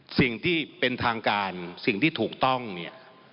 สิ่งที่เป็นทางการสิ่งที่ถูกต้องเนี่ย